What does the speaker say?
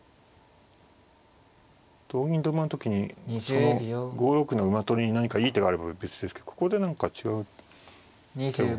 同銀同馬の時にその５六の馬取りに何かいい手があれば別ですけどここで何か違う手を。